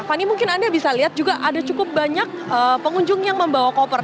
fani mungkin anda bisa lihat juga ada cukup banyak pengunjung yang membawa koper